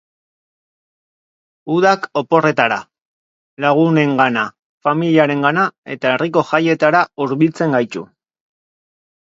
Udak oporretara, lagunengana, familarengana eta herriko jaietara hurbiltzen gaitu.